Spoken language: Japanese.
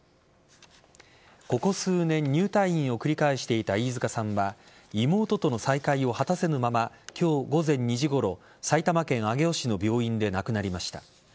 ここ数年入退院を繰り返していた飯塚さんは妹との再会を果たせぬまま今日午前２時ごろ埼玉県上尾市の病院で亡くなりました。